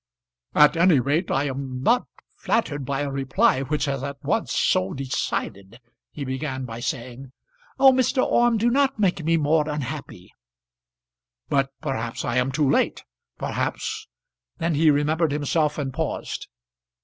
"At any rate I am not flattered by a reply which is at once so decided," he began by saying. "Oh! Mr. Orme, do not make me more unhappy " "But perhaps I am too late. Perhaps " Then he remembered himself and paused.